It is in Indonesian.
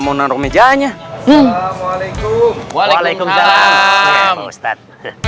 menaruh mejanya walaikum walaikum salam ustadz